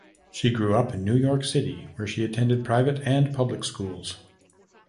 She grew up in New York City where she attended private and public schools.